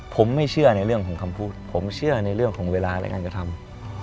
ผมไม่เชื่อในเรื่องของคำพูดผมเชื่อในเรื่องของเวลาในการกระทำ